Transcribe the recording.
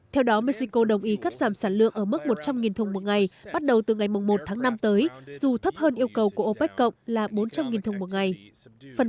theo đó mexico đồng ý cắt giảm sản lượng ở mức một trăm linh thùng một ngày bắt đầu từ ngày một tháng năm tới dù thấp hơn yêu cầu của opec cộng là bốn trăm linh thùng một ngày